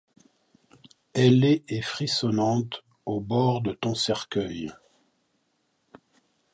Ailée et frissonnante au bord de ton cercueil